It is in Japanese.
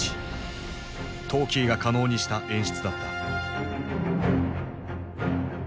トーキーが可能にした演出だった。